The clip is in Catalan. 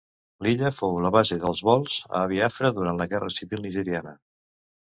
L'illa fou la base dels vols a Biafra durant la Guerra Civil nigeriana.